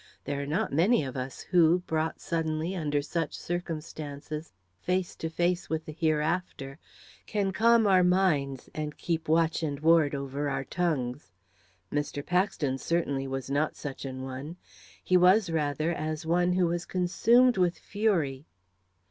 There are not many of us who, brought suddenly, under such circumstances, face to face with the hereafter, can calm our minds and keep watch and ward over our tongues. Mr. Paxton, certainly, was not such an one. He was, rather, as one who was consumed with fury.